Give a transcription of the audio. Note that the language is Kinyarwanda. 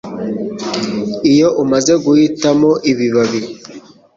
Iyo umaze guhitamo ibibabi